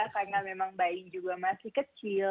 karena memang bayi juga masih kecil